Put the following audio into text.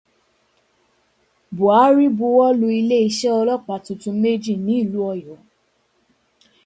Bùhárí buwọ́lu iléeṣẹ́ ọlọ́pàá tuntun méjì ní ìlú Ọ̀yọ́.